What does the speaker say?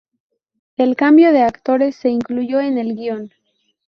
El cambio de actores se incluyó en el guion.